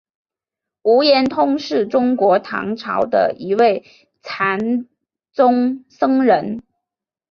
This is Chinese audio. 无言通是中国唐朝的一位禅宗僧人。